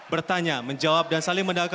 sedikit ket placing menarik